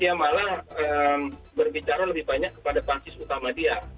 dia malah berbicara lebih banyak kepada pansus utama dia